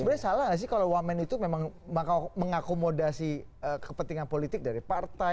sebenarnya salah nggak sih kalau wamen itu memang mengakomodasi kepentingan politik dari partai